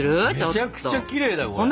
めちゃくちゃきれいだよこれ。